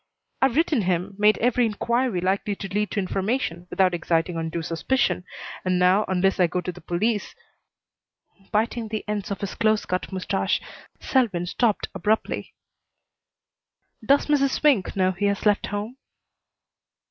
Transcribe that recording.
I've written him, made every inquiry likely to lead to information without exciting undue suspicion, and now, unless I go to the police " Biting the ends of his close cut mustache, Selwyn stopped abruptly. "Does Mrs. Swink know he has left home?"